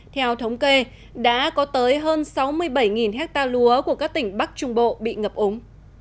theo thống kê đã có tới hơn sáu mươi bảy hectare lúa của các tỉnh bắc trung bộ bị ngập úng